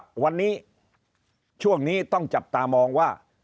วันนี้ช่วงนี้ต้องจับตามองว่า